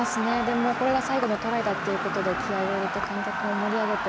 もうこれが最後のトライだと気合いを入れて観客も盛り上げて